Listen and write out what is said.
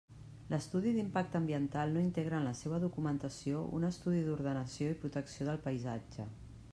L'estudi d'impacte ambiental no integra en la seua documentació un estudi d'ordenació i protecció del paisatge.